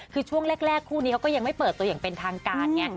คือช่วงแรกคู่นี้เขาก็ยังไม่เปิดตัวอย่างเป็นทางการไง